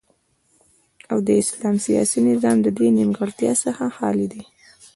او د اسلام سیاسی نظام ددی نیمګړتیاو څخه خالی دی